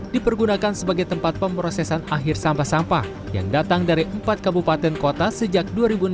dipergunakan sebagai tempat pemrosesan akhir sampah sampah yang datang dari empat kabupaten kota sejak dua ribu enam belas